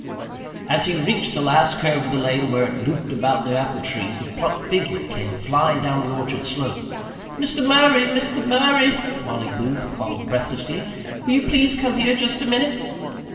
As he reached the last curve of the lane where it looped about the apple trees, a plump figure came flying down the orchard slope. "Mr. Murray, Mr. Murray," Mollie Booth called breathlessly. "Will you please come here just a minute?"